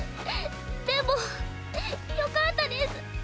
でもよかったです。